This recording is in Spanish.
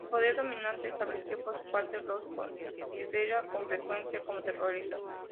El poder dominante establecido, por su parte, los considera con frecuencia como terroristas.